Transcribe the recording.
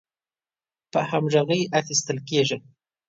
په همغږۍ اخیستل کیږي